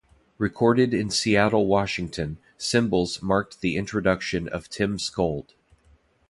Recorded in Seattle, Washington, "Symbols" marked the introduction of Tim Skold.